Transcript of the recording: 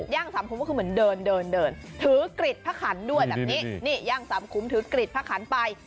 อย่างสามคุ้มก็คือเหมือนเดินเดินถือกริดพระขันด้วยแบบนี้นี่ย่างสามคุ้มถือกริดพระขันไป